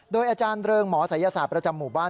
โดยอาจารย์เริงหมอศัยศาสตร์ประจำหมู่บ้าน